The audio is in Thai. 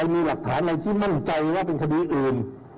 มีหลักฐานอะไรที่มั่นใจว่าเป็นคดีอื่น